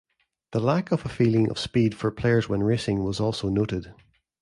The lack of a feeling of speed for players when racing was also noted.